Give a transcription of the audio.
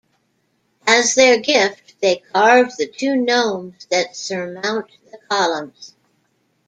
As their gift, they carved the two gnomes that surmount the columns.